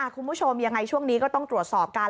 คุณผู้ชมยังไงช่วงนี้ก็ต้องตรวจสอบกัน